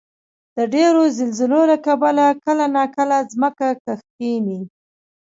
د ډېرو زلزلو له کبله کله ناکله ځمکه کښېني.